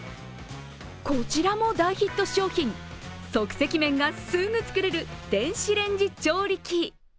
こちらも大ヒット商品、即席麺がすぐ作れる電子レンジ調理器。